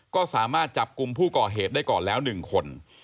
ก็สามารถจับกลุ่มผู้ก่อเหตุได้ก่อนแล้ว๑คน